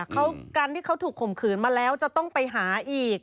เขาการที่เขาถูกข่มขืนมาแล้วจะต้องไปหาอีก